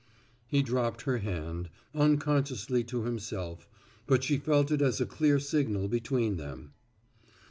He dropped her hand, unconsciously to himself, but she felt it as a clear signal between them.